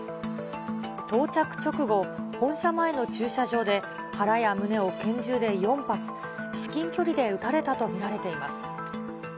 到着直後、本社前の駐車場で、腹や胸を拳銃で４発、至近距離で撃たれたと見られています。